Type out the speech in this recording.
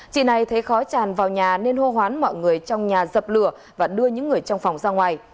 chị này thấy khói tràn vào nhà nên hô hoán mọi người trong nhà dập lửa và đưa những người trong phòng ra ngoài